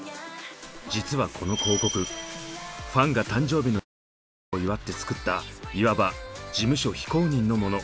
実はこの広告ファンが誕生日の近いメンバーを祝って作ったいわば事務所非公認のもの。